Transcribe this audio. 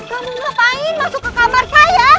kamu ngapain masuk ke kamar saya